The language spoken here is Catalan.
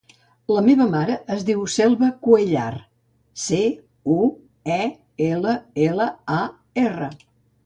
La meva mare es diu Selva Cuellar: ce, u, e, ela, ela, a, erra.